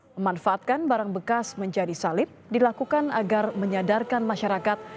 memanfaatkan barang bekas menjadi salib dilakukan agar menyadarkan masyarakat